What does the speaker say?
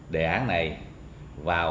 đề án này vào